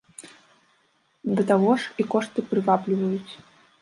Да таго ж, і кошты прывабліваюць.